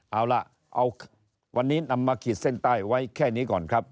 เอาล่ะเอาวันนี้นำมาขีดเส้นใต้ไว้แค่นี้ก่อนครับ